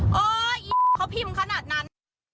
กินให้ดูเลยค่ะว่ามันปลอดภัย